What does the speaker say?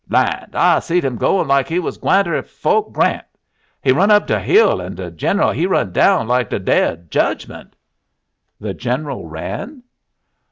"Land! I seed him goin' like he was gwineter Fo't Grant. He run up de hill, an' de Gennul he run down like de day of judgment." "The General ran?"